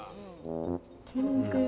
全然。